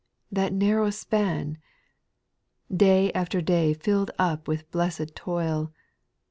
— That narrow span !— Day after day fill'd up with blessed toil.